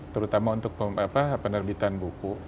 terutama untuk penerbitan buku